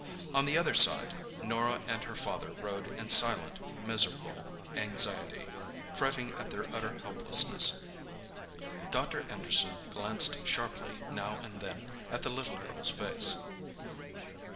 On the other side, Norah and her father rode in silent, miserable anxiety, fretting at their utter helplessness. Dr. Anderson glanced sharply now and then at the little girl's face.